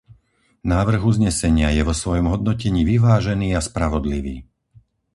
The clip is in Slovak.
Návrh uznesenia je vo svojom hodnotení vyvážený a spravodlivý.